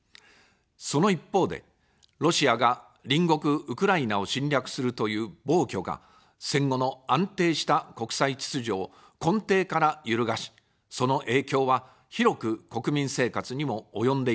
その一方で、ロシアが隣国ウクライナを侵略するという暴挙が、戦後の安定した国際秩序を根底から揺るがし、その影響は広く国民生活にも及んでいます。